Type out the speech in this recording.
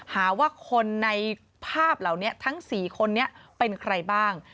หาว่าคนในภาพเหล่านี้ทั้ง๔คนนี้เป็นใครบ้าง